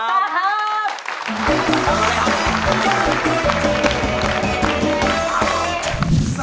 สวัสดีครับ